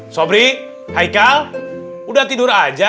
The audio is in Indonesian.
sobri haikal udah tidur aja